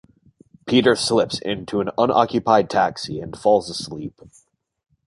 Peter slips into an unoccupied taxi and falls asleep.